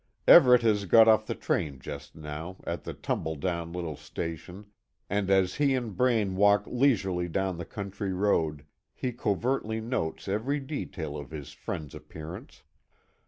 Everet has got off the train just now, at the tumble down little station, and as he and Braine walk leisurely down the country road, he covertly notes every detail of his friend's appearance.